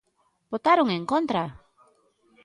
¡Votaron en contra!